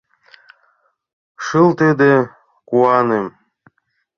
Шылтыде куаным